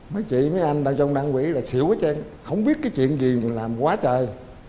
mấy chị mấy anh trong đoàn quỹ là xỉu quá trời không biết cái chuyện gì mình làm quá trời